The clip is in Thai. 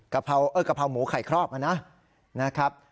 กะเพราเอ่อกะเพราหมูไข่ครอบนะนะครับ